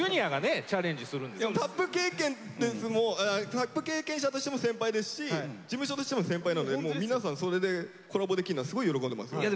タップ経験者としても先輩ですし事務所としても先輩なので皆さんそれでコラボできるのはすごい喜んでますよ。